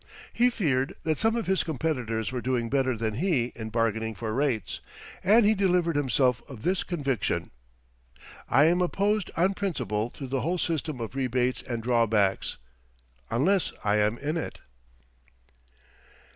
He feared that some of his competitors were doing better than he in bargaining for rates, and he delivered himself of this conviction: "I am opposed on principle to the whole system of rebates and drawbacks unless I am in it."